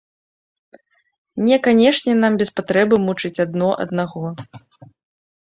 Не канешне нам без патрэбы мучыць адно аднаго.